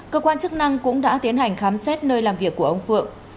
cơ quan chức năng cũng đã tiến hành khám xét nơi làm việc của ông phượng